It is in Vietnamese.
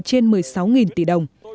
trên một mươi sáu tỷ đồng